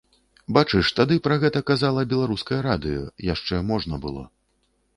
Бачыш, тады пра гэта казала беларускае радыё, яшчэ можна было.